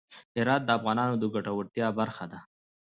هرات د افغانانو د ګټورتیا برخه ده.